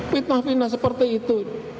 fitnah fitnah seperti itu